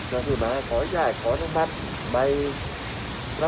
ขอให้ได้ขอแค่บัตรบัตร